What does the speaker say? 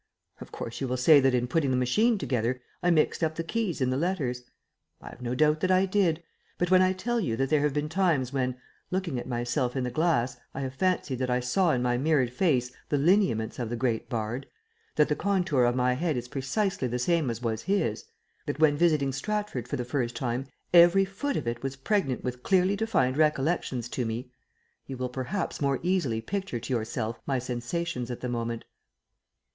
Of course you will say that in putting the machine together I mixed up the keys and the letters. I have no doubt that I did, but when I tell you that there have been times when, looking at myself in the glass, I have fancied that I saw in my mirrored face the lineaments of the great bard; that the contour of my head is precisely the same as was his; that when visiting Stratford for the first time every foot of it was pregnant with clearly defined recollections to me, you will perhaps more easily picture to yourself my sensations at the moment.